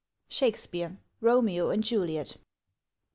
SHAKESPEARE : Romeo and Juliet.